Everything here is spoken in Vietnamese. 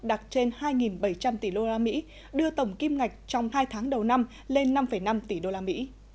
đạt trên hai bảy trăm linh tỷ usd đưa tổng kim ngạch trong hai tháng đầu năm lên năm năm tỷ usd